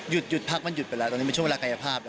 หยุดพักมันหยุดไปแล้วตอนนี้เป็นช่วงเวลากายภาพ